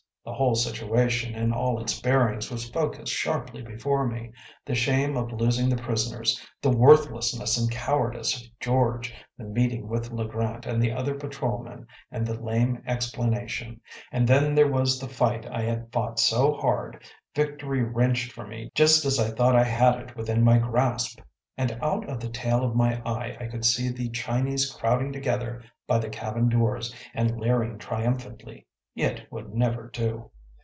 The whole situation, in all its bearings, was focussed sharply before me‚ÄĒthe shame of losing the prisoners, the worthlessness and cowardice of George, the meeting with Le Grant and the other patrol men and the lame explanation; and then there was the fight I had fought so hard, victory wrenched from me just as I thought I had it within my grasp. And out of the tail of my eye I could see the Chinese crowding together by the cabin doors and leering triumphantly. It would never do.